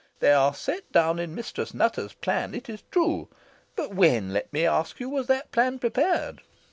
They are set down in Mistress Nutter's plan, it is true; but when, let me ask, was that plan prepared?